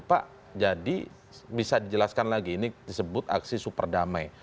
pak jadi bisa dijelaskan lagi ini disebut aksi super damai